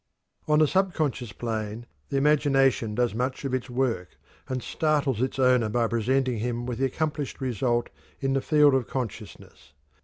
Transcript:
On the subconscious plane the imagination does much of its work, and startles its owner by presenting him with the accomplished result in the field of consciousness.